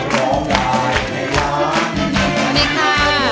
สวัสดีค่ะ